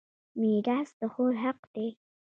میراث د خور حق دی.